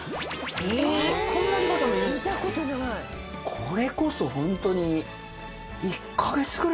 これこそホントに。